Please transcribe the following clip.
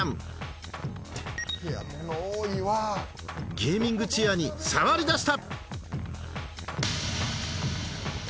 ゲーミングチェアに触りだした！